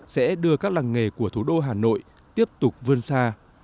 sẽ đưa các làng nghề của thủ đô hà nội tiếp tục vươn xa